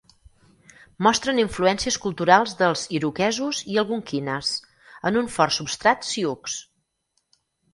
Mostren influències culturals dels iroquesos i algonquines en un fort substrat sioux.